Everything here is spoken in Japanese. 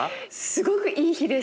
すごくいい日でした。